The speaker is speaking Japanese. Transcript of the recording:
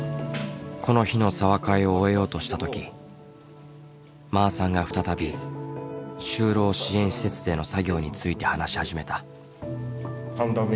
この日の茶話会を終えようとしたときまーさんが再び就労支援施設での作業について話し始めた。